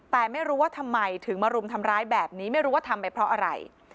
แต่ไม่รู้ว่าทำไมถึงมารุมทำร้ายแบบนี้ไม่รู้ว่าทำไปเพราะอะไร